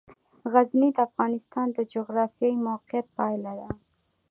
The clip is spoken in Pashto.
غزني د افغانستان د جغرافیایي موقیعت پایله ده.